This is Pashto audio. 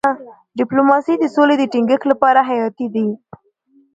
ډيپلوماسي د سولې د ټینګښت لپاره حیاتي ده.